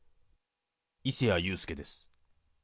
伊勢谷友介です。